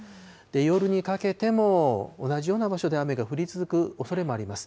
夜にかけても同じような場所で雨が降り続くおそれもあります。